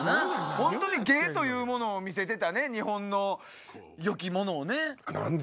ホントに「芸」というものを見せてたね日本の良きものをね。